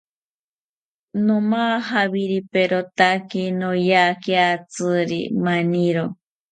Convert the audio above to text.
Nomajawiriperotaki noyakiatziri maniro